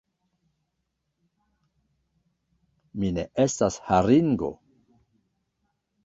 Mi ne estas haringo!